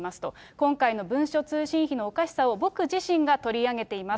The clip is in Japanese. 今回の文書通信費のおかしさを僕自身が取り上げています。